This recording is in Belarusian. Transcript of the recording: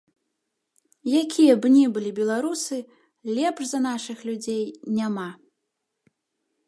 Якія б ні былі беларусы, лепш за нашых людзей няма.